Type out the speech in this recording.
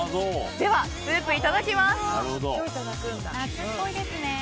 ではスープ、いただきます。